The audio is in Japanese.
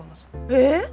えっ！